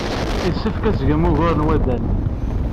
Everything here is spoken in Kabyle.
Yessefk ad tgem ugar n waddal.